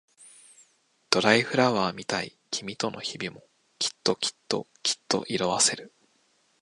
ドライフラワーみたい君との日々もきっときっときっと色あせる